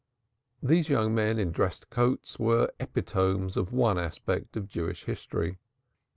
These young men in dress coats were epitomes of one aspect of Jewish history.